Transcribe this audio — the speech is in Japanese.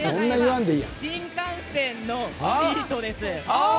新幹線のシートです。